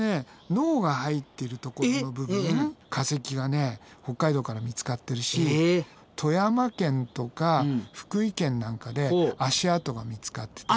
脳が入ってるところの部分化石がね北海道から見つかってるし富山県とか福井県なんかで足跡が見つかってたり。